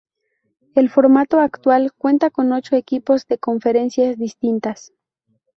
El formato actual cuenta con ocho equipos de conferencias distintas.